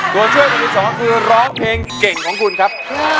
ตัวช่วยของคุณสายฝนก็คือร้องเพลงเก่งของคุณครับ